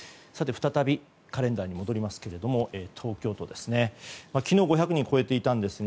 再びカレンダーに戻りますが東京都、昨日５００人を超えていたんですが